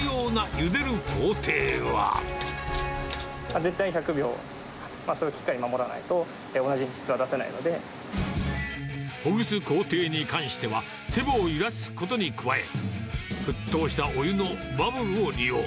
絶対に１００秒、それをきっかり守らないと、ほぐす工程に関しては、手を揺らすことに加え、沸騰したお湯のバブルも利用。